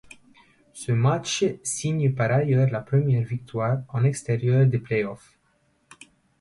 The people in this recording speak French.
Ce match signe par ailleurs la première victoire en extérieur des play-offs.